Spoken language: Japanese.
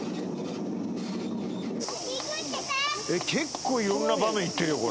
「結構色んな場面いってるよこれ」